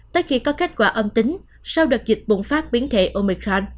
tới khi có kết quả âm tính sau đợt dịch bùng phát biến thể omican